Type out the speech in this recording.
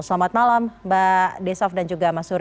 selamat malam mbak desaf dan juga mas suri